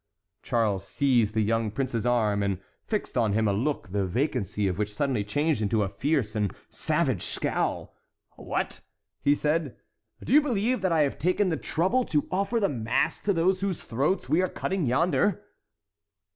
Charles seized the young prince's arm, and fixed on him a look the vacancy of which suddenly changed into a fierce and savage scowl. "What!" he said, "do you believe that I have taken the trouble to offer the mass to those whose throats we are cutting yonder?"